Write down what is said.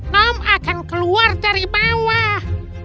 mom akan keluar dari bawah